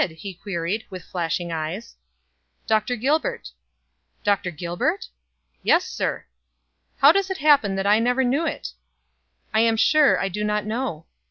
he queried, with flashing eyes. "Dr. Gilbert." "Dr. Gilbert?" "Yes, sir." "How does it happen that I never knew it?" "I am sure I do not know."